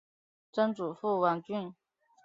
曾祖父王俊。